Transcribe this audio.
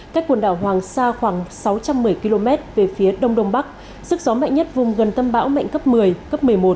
cách quần đảo hoàng sa khoảng sáu trăm một mươi km về phía đông đông bắc sức gió mạnh nhất vùng gần tâm bão mạnh cấp một mươi cấp một mươi một